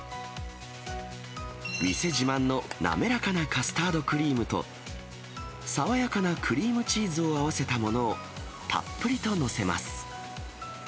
店自慢の滑らかなカスタードクリームと爽やかなクリームチーズを合わせたものを、たっぷりと載せます。